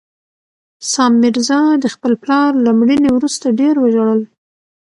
سام میرزا د خپل پلار له مړینې وروسته ډېر وژړل.